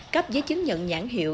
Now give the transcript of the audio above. cắp giấy chứng nhận nhãn hiệu